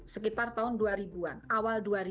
sekitar tahun dua ribu an awal dua ribu